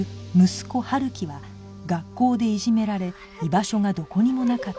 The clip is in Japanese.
息子ハルキは学校でいじめられ居場所がどこにもなかった